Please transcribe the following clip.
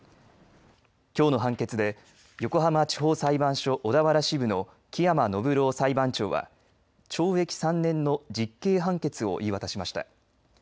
きょうの判決で横浜地方裁判所小田原支部の木山暢郎裁判長は懲役３年の実刑判決を言い渡しました。